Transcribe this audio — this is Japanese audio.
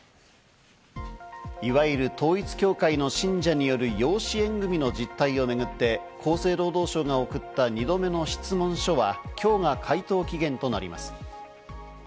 いわゆる統一教会の信者による養子縁組の実態をめぐって、厚生労働省が送った２度目の質問書は今日が回答期限となります。